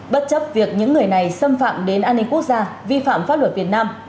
bất chấp việc những người này xâm phạm đến an ninh quốc gia vi phạm pháp luật việt nam